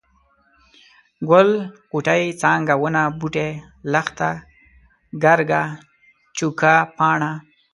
ګل، غوټۍ، څانګه ، ونه ، بوټی، لښته ، ګرګه ، چوکه ، پاڼه،